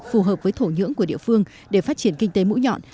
phù hợp với thổ nhưỡng của địa phương để phát triển kinh tế mũi nhọn